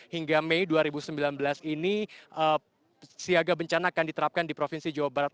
hingga mei dua ribu sembilan belas ini siaga bencana akan diterapkan di provinsi jawa barat